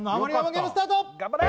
ゲームスタート頑張れ！